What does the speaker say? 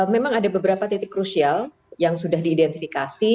memang ada beberapa titik krusial yang sudah diidentifikasi